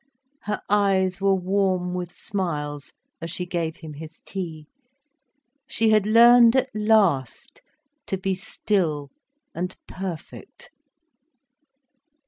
Her eyes were warm with smiles as she gave him his tea. She had learned at last to be still and perfect.